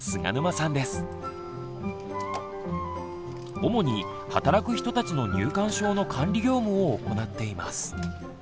主に働く人たちの入館証の管理業務を行っています。